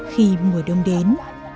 khi mùa đông đến